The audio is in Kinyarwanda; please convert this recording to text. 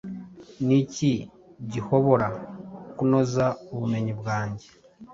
Niki gihobora kunoza ubumenyi bwanjye